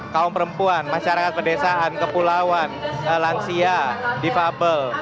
kaum perempuan masyarakat pedesaan kepulauan langsia defable